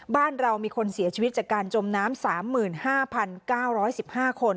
บ้านเรามีคนเสียชีวิตจากการจมน้ำ๓๕๙๑๕คน